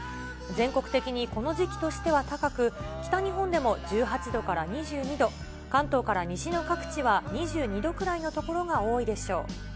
全国的にこの時期としては高く、北日本でも１８度から２２度、関東から西の各地は２２度くらいの所が多いでしょう。